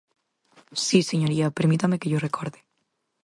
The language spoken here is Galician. Si, señoría, permítame que llo recorde.